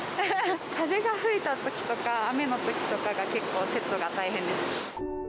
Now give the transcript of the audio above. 風が吹いたときとか、雨のときとかが結構セットが大変です。